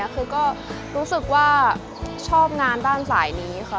คือก็รู้สึกว่าชอบงานด้านสายนี้ค่ะ